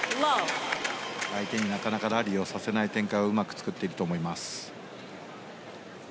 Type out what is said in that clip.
相手になかなかラリーをさせない展開をうまく作っていると思います。